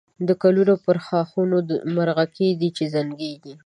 د گلونو پر ښاخونو مرغکۍ دی چی زنگېږی